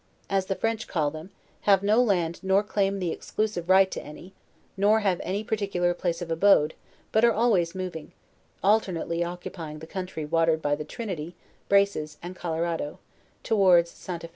As the French call them, have no land nor claim the exclusive right to any, nor have any particular place of abode, but are always moving, alternately occupying the country watered by the Trinity, Braces, and Colerado, toward 's St. a Fe.